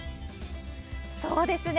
そうですね。